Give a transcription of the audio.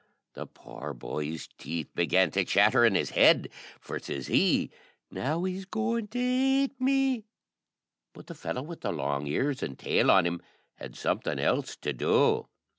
The poor boy's teeth began to chatter in his head, for says he, "Now he's goin' to ate me;" but the fellow with the long ears and tail on him had something else to do.